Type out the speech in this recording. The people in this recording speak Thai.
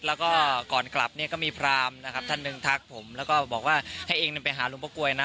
แล้วก่อนกลับก็มีพรามท่านหนึ่งทักผมแล้วก็บอกว่าให้เองไปหาลุงพระกรวยนะ